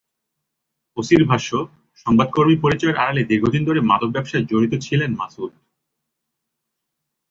ওসির ভাষ্য, সংবাদকর্মী পরিচয়ের আড়ালে দীর্ঘদিন ধরে মাদক ব্যবসায় জড়িত ছিলেন মাসুদ।